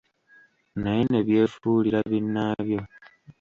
Naye ne byefuulira binnaabyo.